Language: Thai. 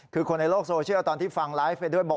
คือคนในโลกโซเชียลตอนที่ฟังไลฟ์ไปด้วยบอก